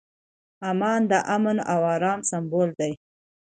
عمان د امن او ارام سمبول دی.